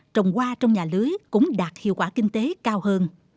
trồng hoa trong nhà lưới cũng đạt hiệu quả kinh tế cao hơn